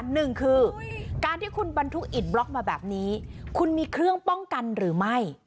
หนึ่งคือการที่คุณบรรทุกอิดบล็อกมาแบบนี้คุณมีเครื่องป้องกันหรือไม่